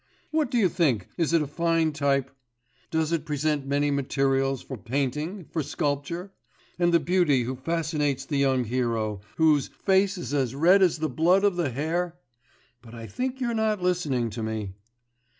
What do you think, is it a fine type? Does it present many materials for painting, for sculpture? And the beauty who fascinates the young hero, whose "face is as red as the blood of the hare"?... But I think you're not listening to me?